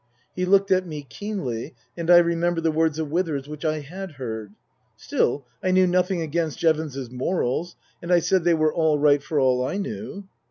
He looked at me keenly and I remembered the words of Withers which I had heard. Still, I knew nothing against Jevons's morals, and I said they were all right for all I knew.